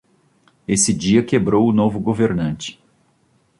Esse dia quebrou o novo governante.